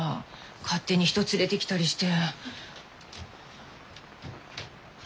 勝手に人連れてきたりして。